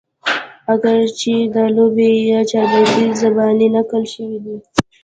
اګر چې دا لوبې يا چاربيتې زباني نقل شوي دي